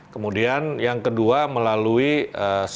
kemudian yang kedua melalui sosialisasi